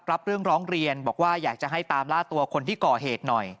รับเรื่องร้องเรียนบอกว่าอยากจะให้ตามล่าตัวคนที่ก่อเหตุหน่อย